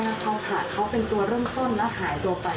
ถ้าเขาขาดเขาเป็นตัวเริ่มต้นแล้วหายตัวไป